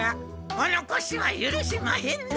おのこしはゆるしまへんで！